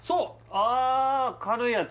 ああ軽いやつ